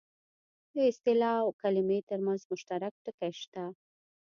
د اصطلاح او کلمې ترمنځ مشترک ټکي شته